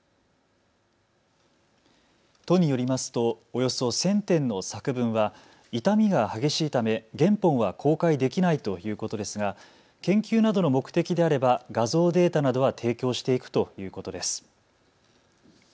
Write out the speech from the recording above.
都によりますとおよそ１０００点の作文は傷みが激しいため原本は公開できないということですが研究などの目的であれば画像データなどは提供していくということです。